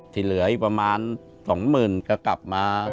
ทีเหลือประมาณ๒หมื่นก็กลับมา